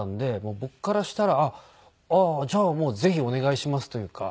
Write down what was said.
僕からしたらじゃあもうぜひお願いしますというか。